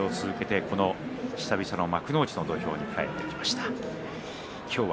そうした中で調整を続けて久々の幕内の土俵に帰ってきました。